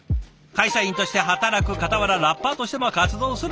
会社員として働くかたわらラッパーとしても活動するＪＥＶＡさん。